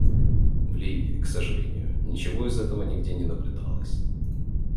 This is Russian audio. В Ливии, к сожалению, ничего из этого нигде не наблюдалось.